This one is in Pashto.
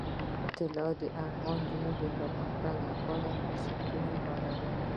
طلا د افغان نجونو د پرمختګ لپاره فرصتونه برابروي.